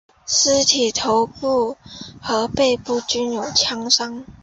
尸体头部和背部均有枪伤。